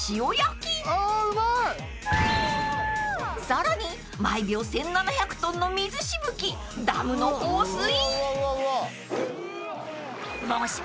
［さらに毎秒１，７００ｔの水しぶきダムの放水］